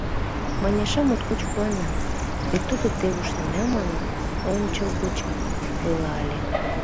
— Маняша моткоч куана, вет тудо, те ушнеда манын, ончылгочак ойла ыле.